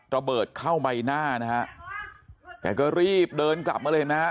ระเบิดเข้าใบหน้านะฮะแกก็รีบเดินกลับมาเลยเห็นไหมฮะ